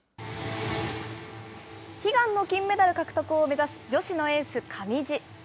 悲願の金メダル獲得を目指す女子のエース、上地。